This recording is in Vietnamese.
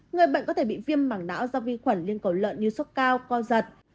người bệnh có thể bị viêm mảng não do vi khuẩn liên cầu lợn như sốt cao co giật